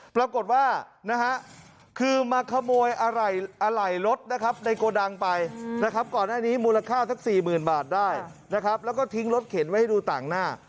ปรากฏว่านะฮะคือมาขโมยอะไหล่รถนะครับในโกดังไปนะครับก่อนหน้านี้มูลค่าสัก๔๐๐๐บาทได้นะครับแล้วก็ทิ้งรถเข็นไว้ให้ดูต่างหน้า